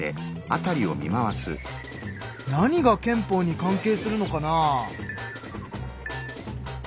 何が憲法に関係するのかな？